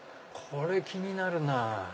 これ気になるなぁ。